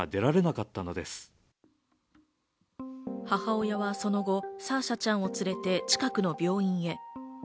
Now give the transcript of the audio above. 母親はその後、サーシャちゃんを連れて、近くの病院へ。